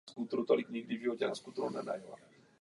Díky tomu turné suverénně ovládl.